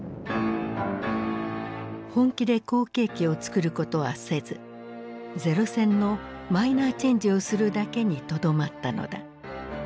本気で後継機をつくることはせず零戦のマイナーチェンジをするだけにとどまったのだ。